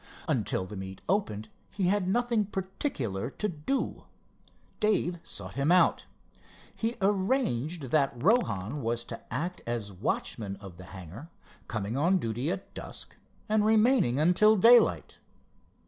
Until the meet opened he had nothing particular to do. Dave sought him out. He arranged that Rohan was to act as watchman of the hangar, coming on duty at dusk, and remaining until daylight.